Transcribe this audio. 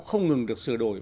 không ngừng được sửa đổi